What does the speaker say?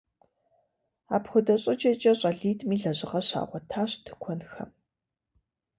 Апхуэдэ щӏыкӏэкӏэ щӏалитӏми лэжьыгъэ щагъуэтащ тыкуэнхэм.